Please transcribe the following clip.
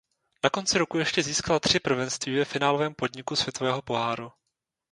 Na konci roku ještě získala tři prvenství ve finálovém podniku světového poháru.